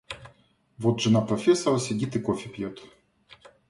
Вот жена профессора сидит и кофе пьет.